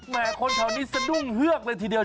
แหมคนแถวนี้สันุ่งเหือกเลยทีเดียว๒๐๕๐